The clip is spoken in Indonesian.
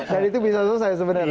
dan itu bisa susah sebenarnya